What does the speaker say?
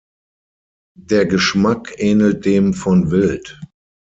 Der Geschmack ähnelt dem von Wild.